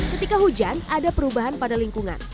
ketika hujan ada perubahan pada lingkungan